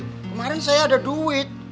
kemarin saya ada duit